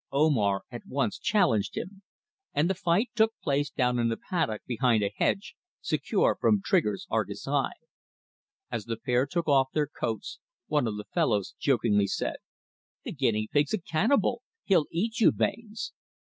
Omar at once challenged him, and the fight took place down in the paddock behind a hedge, secure from Trigger's argus eye. As the pair took off their coats one of the fellows jokingly said "The Guinea Pig's a cannibal. He'll eat you, Baynes."